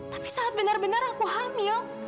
tapi saat benar benar aku hamil